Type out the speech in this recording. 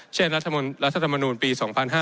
เช่นรัฐธรรมนูลปี๒๕๕๙